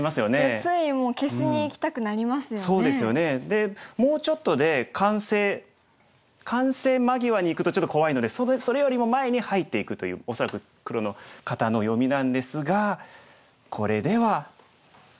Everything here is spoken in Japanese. でもうちょっとで完成完成間際にいくとちょっと怖いのでそれよりも前に入っていくという恐らく黒の方の読みなんですがこれでは。